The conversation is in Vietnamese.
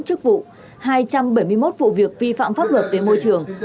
chức vụ hai trăm bảy mươi một vụ việc vi phạm pháp luật về môi trường